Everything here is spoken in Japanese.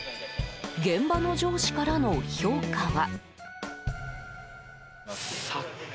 現場の上司からの評価は。